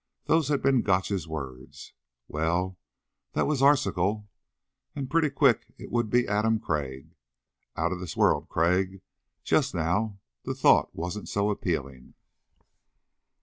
Those had been Gotch's words. Well, that was Arzachel. And pretty quick it would be Adam Crag. Out of this world Crag. Just now the thought wasn't so appealing.